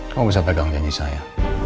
kamu bisa pegang janji saya